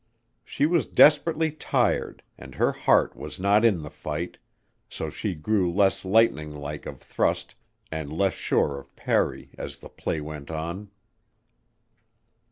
She was desperately tired and her heart was not in the fight, so she grew less lightning like of thrust and less sure of parry as the play went on.